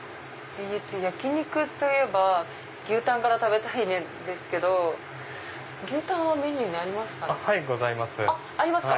焼き肉といえば牛タンから食べたいんですけど牛タンはメニューにありますか？